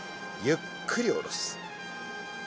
ゆっくり下ろす。